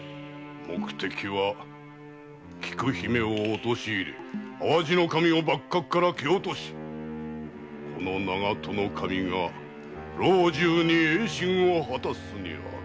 目的は菊姫を陥れ淡路守を幕閣から蹴落としこの長門守が老中に栄進を果たすにある。